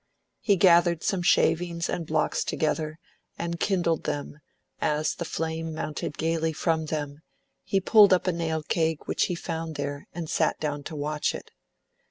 He gathered some shavings and blocks together, and kindled them, and as the flame mounted gaily from them, he pulled up a nail keg which he found there and sat down to watch it.